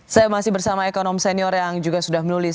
saya masih bersama ekonom senior yang juga sudah menulis